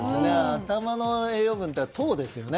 頭の栄養分って糖ですよね。